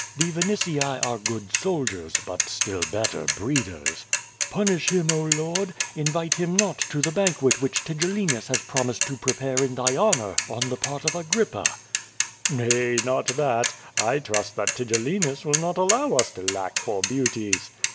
The Vinitii are good soldiers, but still better breeders, l^unish him, oh lord! Invite him not to the banquet which Tigellinus has promised to prej)are in thy honor on the i)art of Agrippa." "Nay, not that. I trust that Tigellinus will not allow us to lack for beauties."